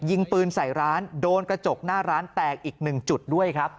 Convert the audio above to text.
ยิงปืนใส่ร้านโดนกระจกหน้าร้านแตกอีกหนึ่งจุดด้วยครับ